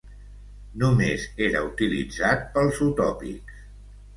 Només era utilitzat pels utòpics.